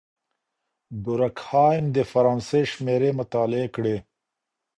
دورکهايم د فرانسې شمېرې مطالعه کړې.